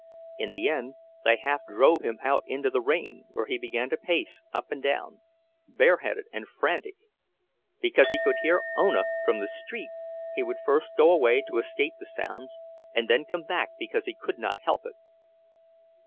In the end they half drove him out into the rain, where he began to pace up and down, bareheaded and frantic. Because he could hear Ona from the street, he would first go away to escape the sounds, and then come back because he could not help it.